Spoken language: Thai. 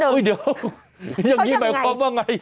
เฮ้ยเดี๋ยวอย่างนี้แปลว่าไง